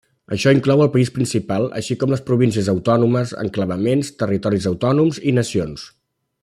Això inclou el país principal així com les províncies autònomes, enclavaments, territoris autònoms i nacions.